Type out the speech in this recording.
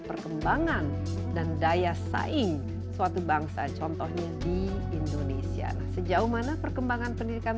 perkembangan dan daya saing suatu bangsa contohnya di indonesia sejauh mana perkembangan pendidikan